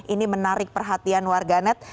ini menarik perhatian warga net